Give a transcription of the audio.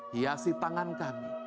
hiasi tangan kami